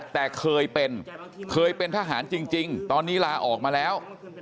แต่เคยเป็นเคยเป็นทหารจริงตอนนี้ลาออกมาแล้ว